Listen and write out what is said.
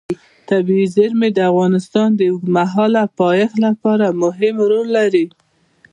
طبیعي زیرمې د افغانستان د اوږدمهاله پایښت لپاره مهم رول لري.